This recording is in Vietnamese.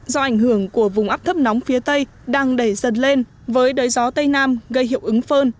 do ảnh hưởng của vùng áp thấp nóng phía tây đang đẩy dần lên với đới gió tây nam gây hiệu ứng phơn